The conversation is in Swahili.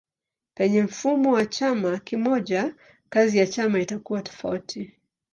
Penye mfumo wa chama kimoja kazi ya chama itakuwa tofauti.